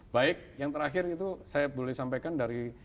baik yang terakhir itu saya boleh sampaikan dari